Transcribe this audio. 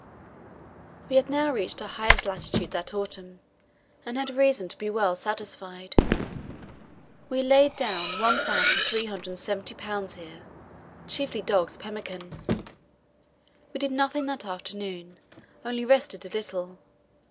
We had now reached our highest latitude that autumn, and had reason to be well satisfied. We laid down 1,370 pounds here, chiefly dogs' pemmican. We did nothing that afternoon, only rested a little.